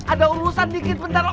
ada urusan dikit sementara